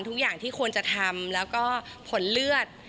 ทุกอย่างที่ควรจะทำแล้วก็ผลเลือด